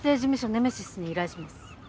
ネメシスに依頼します。